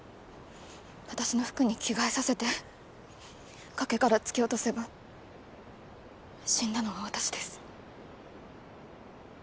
私の服に着替えさせて崖から突き落とせば死んだのは私です